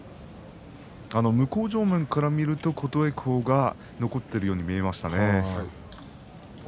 向正面から見ると琴恵光が残っているように見えましたね。